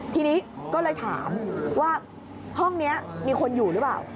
ทีนี้ก็เลยถามว่าห้องนี้มีคนอยู่หรือเปล่า